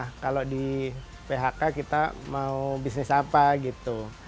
nah kalau di phk kita mau bisnis apa gitu